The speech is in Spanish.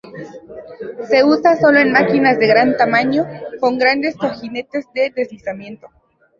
Se usa sólo en máquinas de gran tamaño, con grandes cojinetes de deslizamiento.